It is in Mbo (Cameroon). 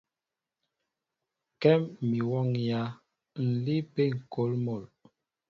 Kɛ́m mi wɔ́ŋyǎ, ǹ líí ápé ŋ̀kôl mol.